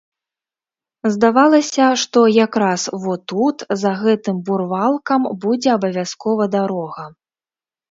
Здавалася, што якраз во тут, за гэтым бурвалкам, будзе абавязкова дарога.